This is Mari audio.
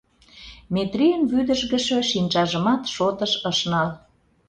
Метрийын вӱдыжгышӧ шинчажымат шотыш ыш нал.